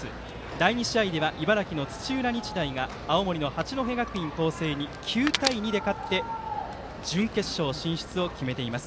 第２試合では、茨城の土浦日大が青森の八戸学院光星に９対２で勝って準決勝進出を決めています。